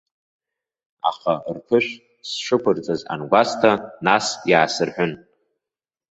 Аха рԥышә сшықәырҵаз ангәасҭа, нас иаасырҳәын.